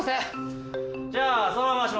じゃあそのまま回します